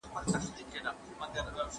سود د برکت د ختمیدو لامل دی.